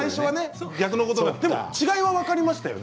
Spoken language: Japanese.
違いは分かりましたよね。